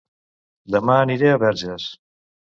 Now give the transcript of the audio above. Dema aniré a Verges